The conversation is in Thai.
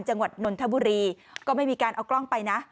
นนทบุรีก็ไม่มีการเอากล้องไปนะ